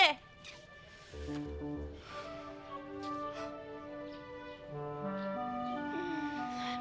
saya mau ke sana